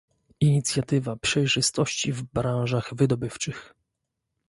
Inicjatywa Przejrzystości w Branżach Wydobywczych